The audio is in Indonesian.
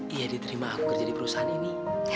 ia diterima aku kerja di perusahaan ini